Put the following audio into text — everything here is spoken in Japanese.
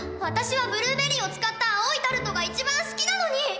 私はブルーベリーを使った青いタルトが一番好きなのに！